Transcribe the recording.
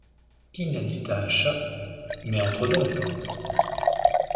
Qui n’a dit à un chat: Mais entre donc!